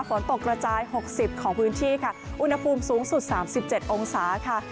ฝนตกกระจาย๖๐ของพื้นที่ค่ะอุณหภูมิสูงสุด๓๗องศาค่ะ